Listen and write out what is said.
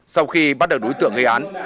sau khi bắt được đối tượng gây án